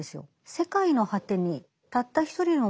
世界の果てにたった一人の